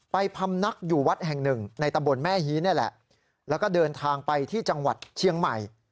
พำนักอยู่วัดแห่งหนึ่งในตำบลแม่ฮีนี่แหละแล้วก็เดินทางไปที่จังหวัดเชียงใหม่